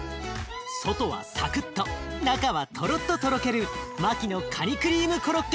外はサクッと中はとろっととろけるマキのカニクリームコロッケ